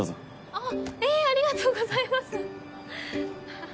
あっえぇありがとうございますははっ。